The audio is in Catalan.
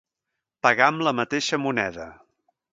Pagar amb la mateixa moneda.